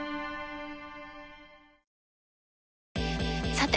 さて！